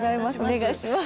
お願いします。